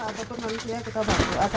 wanita apapun manusia kita bantu